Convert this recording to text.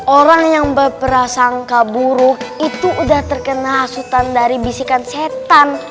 orang yang berprasangka buruk itu udah terkena hasutan dari bisikan setan